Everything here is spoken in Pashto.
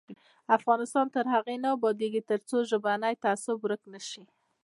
افغانستان تر هغو نه ابادیږي، ترڅو ژبنی تعصب ورک نشي.